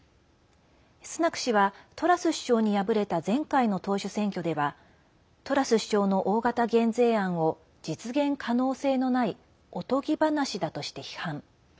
スナク氏はトラス首相に敗れた前回の党首選挙ではトラス首相の大型減税案を実現可能性のないおとぎ話だとして批判。